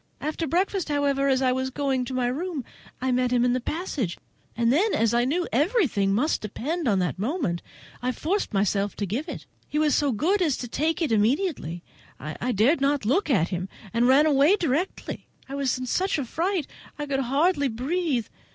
After breakfast however, as I was going to my room, I met him in the passage, and then, as I knew that everything must depend on that moment, I forced myself to give it. He was so good as to take it immediately. I dared not look at him, and ran away directly. I was in such a fright I could hardly breathe.